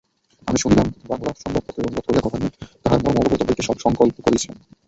আমি শুনিলাম, বাঙলা সংবাদপত্রের অনুবাদ করিয়া গভর্মেণ্ট তাহার ম্মর্ম অবগত হইতে সংকল্প করিয়াছেন।